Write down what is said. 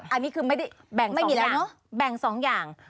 อันนี้คือไม่ได้แบ่งสองอย่างแบ่งสองอย่าง